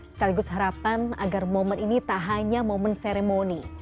sekaligus harapan agar momen ini tak hanya momen seremoni